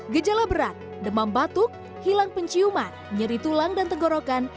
gejala berat demam batuk hilang penciuman nyeri tulang dan tenggorokan